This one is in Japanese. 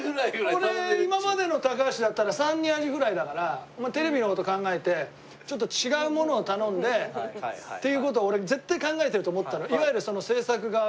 これ今までの高橋だったら３人アジフライだからテレビの事考えてちょっと違うものを頼んでっていう事を俺絶対考えてると思ったの。